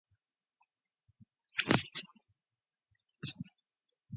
For the Viet Cong, life in the tunnels was difficult.